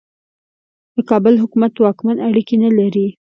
د کابل حکومت واکمن اړیکې نه لري.